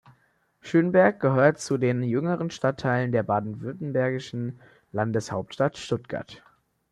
Schönberg gehört zu den jüngeren Stadtteilen der baden-württembergischen Landeshauptstadt Stuttgart.